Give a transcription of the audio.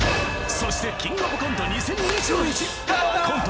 そして「キングオブコント２０２１」コント